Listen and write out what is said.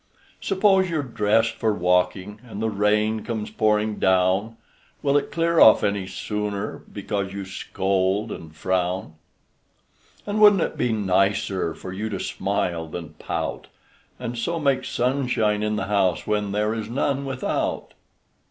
Suppose you're dressed for walking, And the rain comes pouring down, Will it clear off any sooner Because you scold and frown? And wouldn't it be nicer For you to smile than pout, And so make sunshine in the house When there is none without?